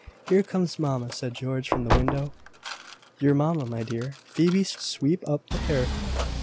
"Here comes mamma," said George, from the window. "Your mamma, my dear? Phoebe, sweep up the hearth.